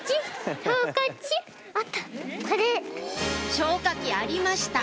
消火器ありました